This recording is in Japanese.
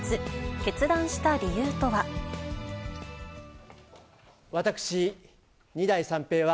決断した理由とは。